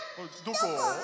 どこ？